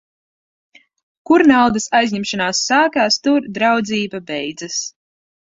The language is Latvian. Kur naudas aizņemšanās sākas, tur draudzība beidzas.